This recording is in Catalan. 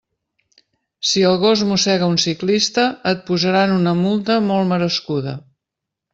Si el gos mossega un ciclista, et posaran una multa molt merescuda.